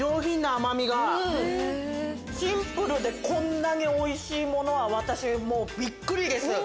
シンプルでこんなにおいしいもの私びっくりです。